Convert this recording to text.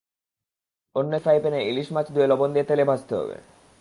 অন্য একটি ফ্রাইপ্যানে ইলিশ মাছ ধুয়ে লবণ দিয়ে তেলে ভাজতে হবে।